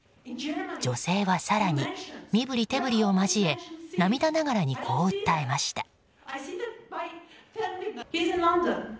女性は、更に身振り手振りを交え涙ながらに、こう訴えました。